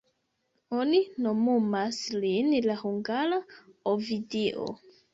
Oni nomumas lin "la hungara Ovidio".